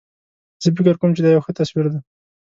زه فکر کوم چې دا یو ښه تصویر ده